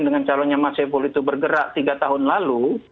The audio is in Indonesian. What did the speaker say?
dengan calonnya mas saiful itu bergerak tiga tahun lalu